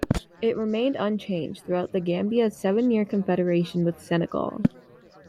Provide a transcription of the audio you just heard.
It remained unchanged throughout the Gambia's seven-year confederation with Senegal.